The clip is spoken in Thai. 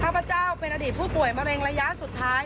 พระเจ้าเป็นอดีตผู้ป่วยมะเร็งระยะสุดท้าย